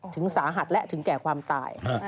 ถึงสาหัสและถึงแก่ความตาย